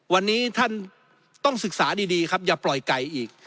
วันนี้ท่านต้องศึกษาดีครับอย่าปล่อยไก่อีก